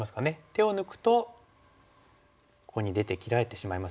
手を抜くとここに出て切られてしまいますよね。